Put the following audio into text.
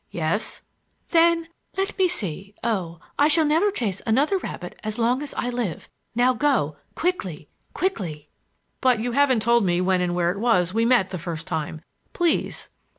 "Yes—" "Then—let me see—oh, I shall never chase another rabbit as long as I live! Now go—quickly—quickly!" "But you haven't told me when and where it was we met the first time. Please!"